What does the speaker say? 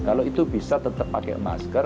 kalau itu bisa tetap pakai masker